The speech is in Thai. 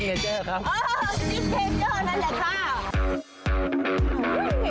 เอ้ยแต่เชงย์โหนะแหละค่ะ